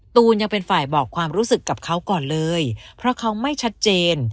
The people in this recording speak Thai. ตูนยังเป็นฝ่ายบอกความรู้สึกกับเขาก่อนเลยเพราะเขาไม่ชัดเจน